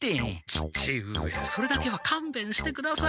父上それだけはかんべんしてください。